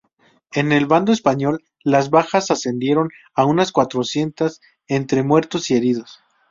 En el bando español las bajas ascendieron a unas cuatrocientas entre muertos y heridos.